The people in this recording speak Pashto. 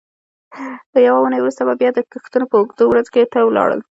یوه اوونۍ وروسته به بیا د کښتونو په اوږدو ورځو کار ته ولاړل.